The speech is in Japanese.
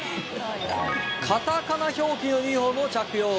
カタカナ表記のユニホームを着用。